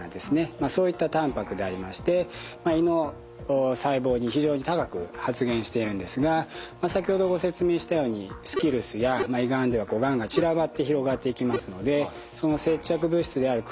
そういったたんぱくでありまして胃の細胞に非常に高く発現しているんですが先ほどご説明したようにスキルスや胃がんではがんが散らばって広がっていきますのでその接着物質であるクローディンがですね